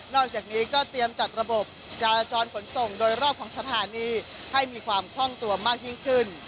อกจากนี้ก็เตรียมจัดระบบจราจรขนส่งโดยรอบของสถานีให้มีความคล่องตัวมากยิ่งขึ้น